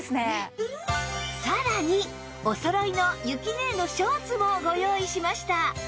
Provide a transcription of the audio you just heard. さらにおそろいのゆきねえのショーツもご用意しました